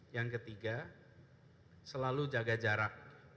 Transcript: yang ketiga selalu jaga jarak